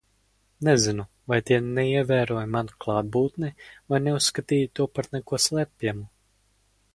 Nezinu, vai tie neievēroja manu klātbūtni, vai neuzskatīja to par neko slēpjamu.